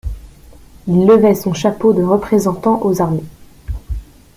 Il levait son chapeau de Représentant aux armées.